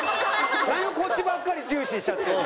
何こっちばっかり重視しちゃってるの。